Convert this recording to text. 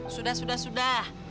sudah sudah sudah